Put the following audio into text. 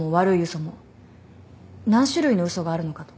何種類の嘘があるのかと。